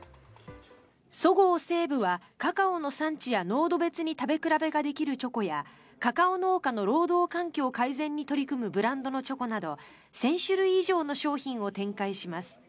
そごう・西武はカカオの産地や濃度別に食べ比べができるチョコやカカオ農家の労働環境改善に取り組むブランドのチョコなど１０００種類以上の商品を展開します。